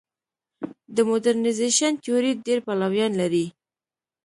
د موډرنیزېشن تیوري ډېر پلویان لري.